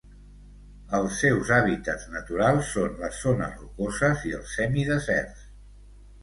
Els seus hàbitats naturals són les zones rocoses i els semideserts.